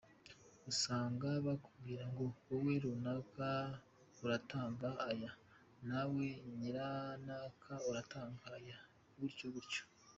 Usanga bakubwira ngo wowe runaka uratanga aya, nawe nyiranaka uratanga aya, gutyo gutyo.